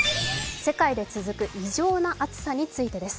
世界で続く異常な暑さについてです。